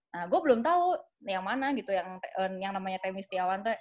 nah gue belum tahu yang mana gitu yang namanya temis tiawan tuh